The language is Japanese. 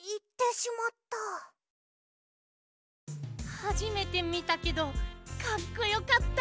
はじめてみたけどかっこよかった。